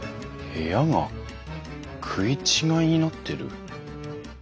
部屋が食い違いになってる。